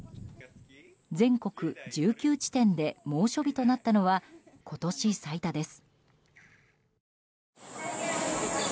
全国１９地点で猛暑日となったのは今年最多です。